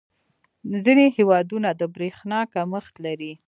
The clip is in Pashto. • ځینې هېوادونه د برېښنا کمښت لري.